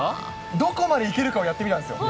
どこまで行けるかをやってみたんですよ。